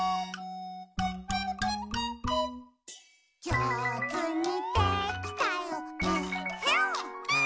「じょうずにできたよえっへん」